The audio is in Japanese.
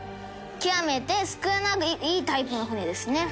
「極めて少ないタイプの船ですね」